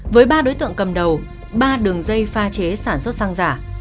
với ba đối tượng cầm đầu ba đường dây pha chế sản xuất xăng giả